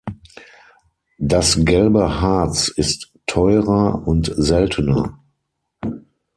Das gelbe Harz ist teurer und seltener.